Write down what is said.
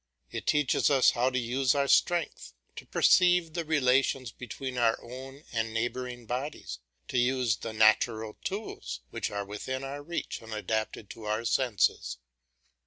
It teaches us how to use our strength, to perceive the relations between our own and neighbouring bodies, to use the natural tools, which are within our reach and adapted to our senses.